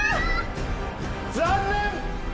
残念！